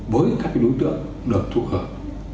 với các đối tượng được thu hợp